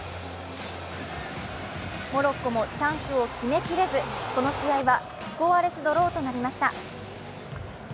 モロッコもチャンスを決めきれずこの試合はスコアレスドローとなりました。